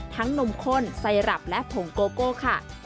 นมข้นไซรับและผงโกโก้ค่ะ